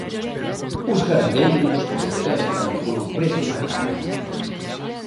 Os gandeiros protestan polo prezo da carne